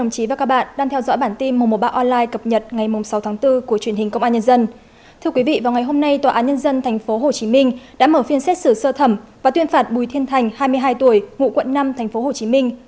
các bạn hãy đăng ký kênh để ủng hộ kênh của chúng mình nhé